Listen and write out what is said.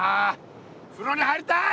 風呂に入りたい！